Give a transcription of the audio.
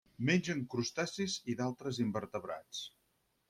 Mengen crustacis i d'altres invertebrats.